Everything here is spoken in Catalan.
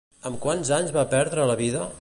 Amb quants anys va perdre la vida?